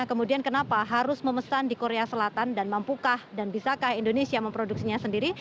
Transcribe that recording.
kemudian kenapa harus memesan di korea selatan dan mampukah dan bisakah indonesia memproduksinya sendiri